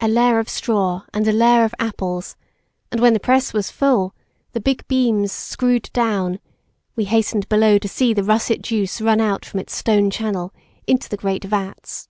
A layer of straw and a layer of apples, and when the press was full, the big beams screwed down, we hastened below to see the russet juice run out from its stone channel into the great vats.